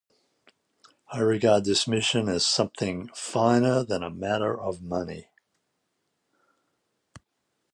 I regard this mission as something finer than a matter of money.